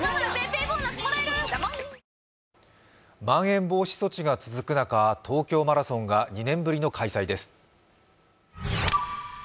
まん延防止措置が続く中、東京マラソンが２年ぶりの開催です。